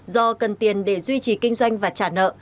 do cần tiền để duy trì kinh doanh và trả nợ